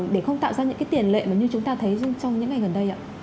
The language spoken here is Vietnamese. để không tạo ra những cái tiền lệ mà như chúng ta thấy trong những ngày gần đây ạ